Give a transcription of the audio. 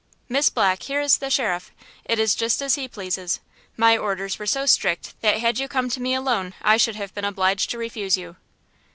"Miss Black, here is the sheriff. It is just as he pleases. My orders were so strict that had you come to me alone I should have been obliged to refuse you."